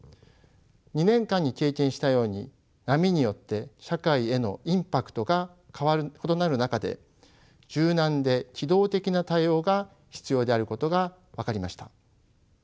２年間に経験したように波によって社会へのインパクトが異なる中で柔軟で機動的な対応が必要であることが分かりました。